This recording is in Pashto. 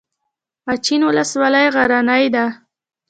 اچین ولسوالۍ غرنۍ ده؟